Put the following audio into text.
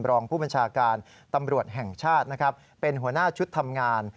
รองผู้บัญชาการตำรวจแห่งชาตินะครับเป็นหัวหน้าชุดทำงาน